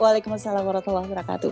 waalaikumsalam warahmatullah wabarakatuh